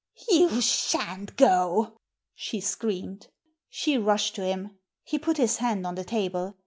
"You shan't go," she screamed. She rushed to him. He put his hand on the table.